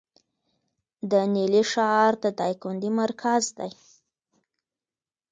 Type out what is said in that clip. د نیلي ښار د دایکنډي مرکز دی